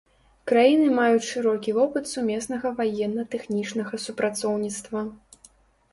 Краіны маюць шырокі вопыт сумеснага ваенна-тэхнічнага супрацоўніцтва.